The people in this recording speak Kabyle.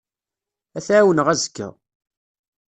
Ad t-ɛawneɣ azekka.